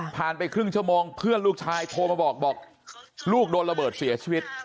ไปครึ่งชั่วโมงเพื่อนลูกชายโทรมาบอกบอกลูกโดนระเบิดเสียชีวิต